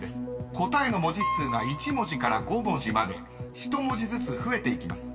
［答えの文字数が１文字から５文字まで１文字ずつ増えていきます。